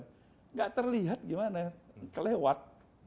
tidak terlihat gimana kelewat